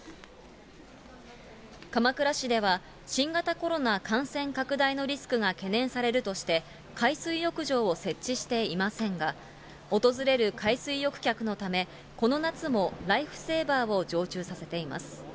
鎌倉市では、新型コロナ感染拡大のリスクが懸念されるとして、海水浴場を設置していませんが、訪れる海水浴客のため、この夏もライフセーバーを常駐させています。